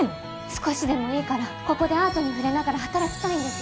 少しでもいいからここでアートに触れながら働きたいんです